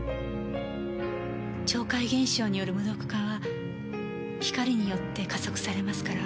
潮解現象による無毒化は光によって加速されますから。